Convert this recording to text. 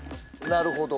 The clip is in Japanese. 「なるほど」